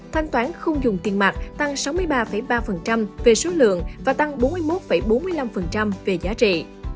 thanh toán không dùng tiền mặt tăng sáu mươi ba ba về số lượng và tăng bốn mươi một bốn mươi năm về giá trị